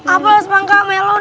apalagi sepangka melon